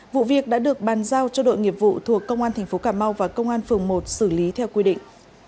vụ việc đã được bàn giao cho đội nghiệp vụ thuộc công an tp cà mau và công an phường một xử lý theo quy định